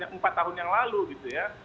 empat tahun yang lalu gitu ya